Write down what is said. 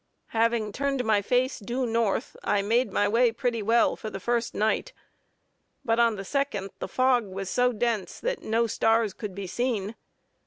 Having turned my face due North, I made my way pretty well for the first night; but on the second, the fog was so dense that no stars could be seen.